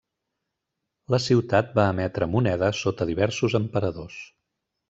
La ciutat va emetre moneda sota diversos emperadors.